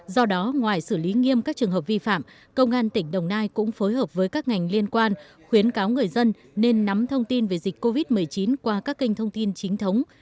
do đó ngoài xử lý nghiêm các trường hợp vi phạm công an tỉnh đồng nai cũng phối hợp với các ngành liên quan khuyến cáo người dân nên nắm thông tin về dịch covid một mươi chín qua các kênh thông tin chính thống